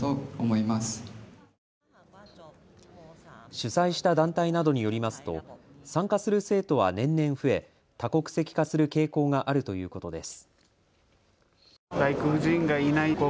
主催した団体などによりますと参加する生徒は年々増え多国籍化する傾向があるということです。